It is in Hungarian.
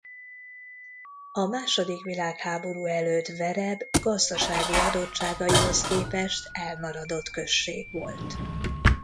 A második világháború előtt Vereb gazdasági adottságaihoz képest elmaradott község volt.